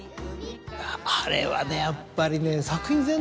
あれはねやっぱりね。